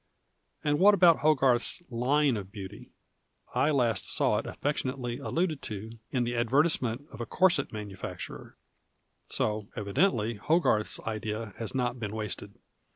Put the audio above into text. And what about Hogarth's " line of beauty "? 1 last saw it affectionately alluded to in the advertisement of a corset manufacturer. So, evidently, Hogarth's idea has not been wasted.